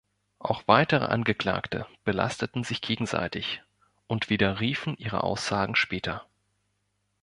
Auch weitere Angeklagte belasteten sich gegenseitig und widerriefen ihre Aussagen später.